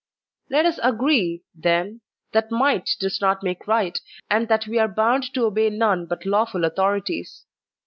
Let us agree, then, that might does not make right, and that we are bound to obey none but lawful authori ties.